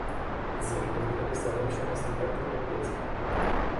Desigur, trebuie să avem și onestitate pe piețe.